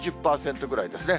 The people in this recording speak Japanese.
２０％ぐらいですね。